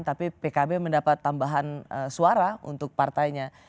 tapi pkb mendapat tambahan suara untuk partainya